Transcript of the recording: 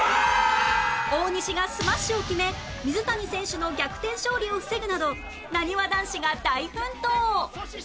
大西がスマッシュを決め水谷選手の逆転勝利を防ぐなどなにわ男子が大奮闘！